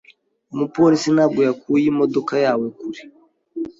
Umupolisi ntabwo yakuye imodoka yawe kure.